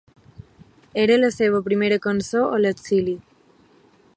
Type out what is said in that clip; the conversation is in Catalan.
Era la seva primera cançó a l’exili.